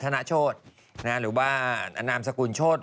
ในแฟซบุ๊ก